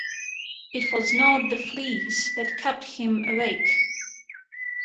It was not the fleas that kept him awake.